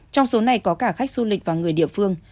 trong số này có cả khách du lịch và người địa phương